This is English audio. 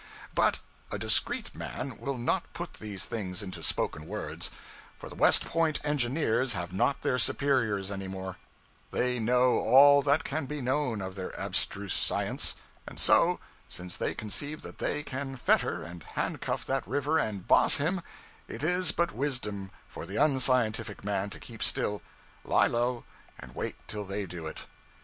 But a discreet man will not put these things into spoken words; for the West Point engineers have not their superiors anywhere; they know all that can be known of their abstruse science; and so, since they conceive that they can fetter and handcuff that river and boss him, it is but wisdom for the unscientific man to keep still, lie low, and wait till they do it.